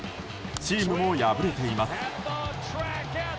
チームも敗れています。